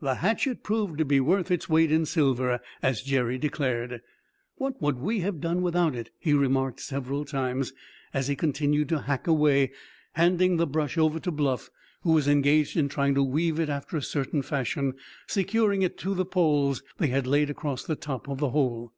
The hatchet proved to be worth its weight in silver, as Jerry declared. "What would we have done without it?" he remarked several times, as he continued to hack away, handing the brush over to Bluff, who was engaged in trying to weave it after a certain fashion, securing it to the poles they had laid across the top of the hole.